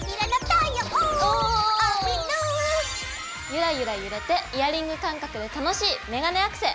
ゆらゆら揺れてイヤリング感覚で楽しいメガネアクセ。